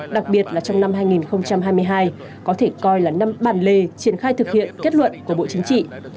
đặc biệt là trong năm hai nghìn hai mươi hai có thể coi là năm bản lề triển khai thực hiện kết luận của bộ chính trị